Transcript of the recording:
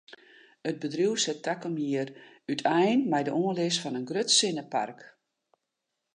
It bedriuw set takom jier útein mei de oanlis fan in grut sinnepark.